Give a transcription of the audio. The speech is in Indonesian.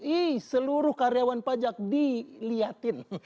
ih seluruh karyawan pajak dilihatin